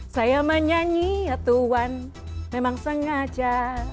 saya menyanyi ya tuhan memang sengaja